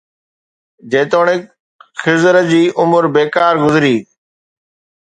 جيتوڻيڪ خضر جي عمر بيڪار گذري